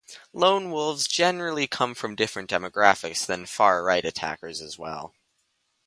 Lone wolves generally come from different demographics than far right attackers as well.